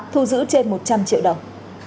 thu giữ trên một trăm linh triệu đồng